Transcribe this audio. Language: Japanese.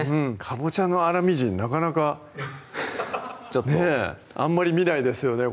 かぼちゃの粗みじんなかなかねぇあんまり見ないですよね